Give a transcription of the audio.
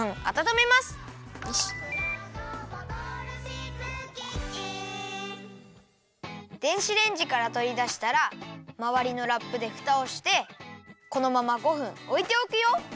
「ボクらのボトルシップキッチン」電子レンジからとりだしたらまわりのラップでふたをしてこのまま５分おいておくよ。